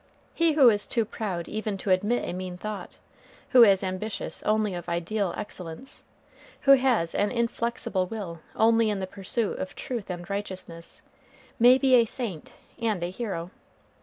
He who is too proud even to admit a mean thought who is ambitious only of ideal excellence who has an inflexible will only in the pursuit of truth and righteousness may be a saint and a hero.